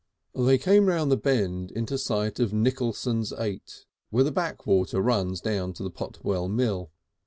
They came round the bend into sight of Nicholson's ait, where the backwater runs down to the Potwell Mill.